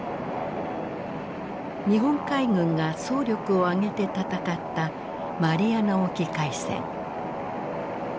日本海軍が総力を挙げて戦ったマリアナ沖海戦。